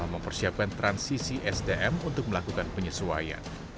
mempersiapkan transisi sdm untuk melakukan penyesuaian